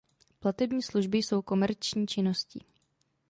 Platební služby jsou komerční činností.